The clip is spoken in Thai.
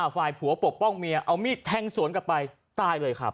ฝ่ายผัวปกป้องเมียเอามีดแทงสวนกลับไปตายเลยครับ